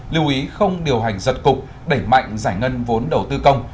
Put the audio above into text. lưu ý không điều hành giật cục đẩy mạnh giải ngân vốn đầu tư công